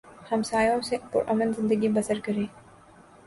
ہمسایوں سے پر امن زندگی بسر کریں